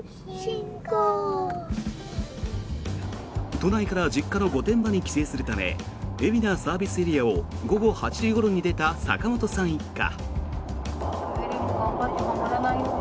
都内から実家の御殿場に帰省するため海老名ＳＡを午後８時ごろに出た坂本さん一家。